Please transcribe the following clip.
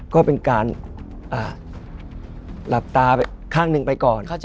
ก็เป็นการหลับตาไปข้างหนึ่งไปก่อน